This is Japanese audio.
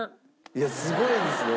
いやすごいですね。